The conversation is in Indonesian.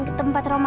ketempat rumah saya